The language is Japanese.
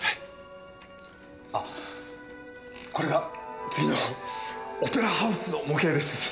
あっこれが次のオペラハウスの模型です。